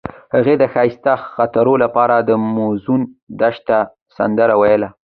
هغې د ښایسته خاطرو لپاره د موزون دښته سندره ویله.